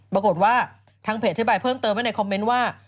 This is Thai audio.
ปรากฏว่าทางเพจอธิบายเพิ่มเติมไว้ในคอมเมนต์ว่า